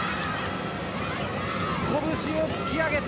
拳を突き上げた。